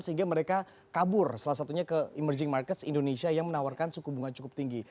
sehingga mereka kabur salah satunya ke emerging markets indonesia yang menawarkan suku bunga cukup tinggi